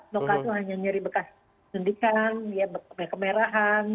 lokal itu hanya nyari bekas suntikan kemerahan